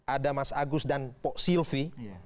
ada mas agus dan pak silvi